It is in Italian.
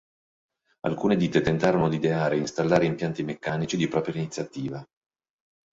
Alcune ditte tentarono di ideare e installare impianti meccanici di propria iniziativa.